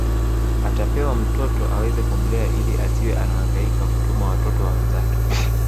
Atapewa mtoto aweze kumlea ili asiwe anahangaika kutuma watoto wa wenzake